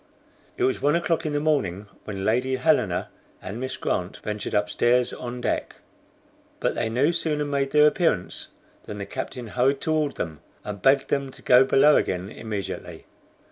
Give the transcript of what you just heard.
It was one o'clock in the morning when Lady Helena and Miss Grant ventured upstairs on deck. But they no sooner made their appearance than the captain hurried toward them, and begged them to go below again immediately.